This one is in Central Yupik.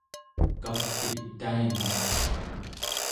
kap'itainaq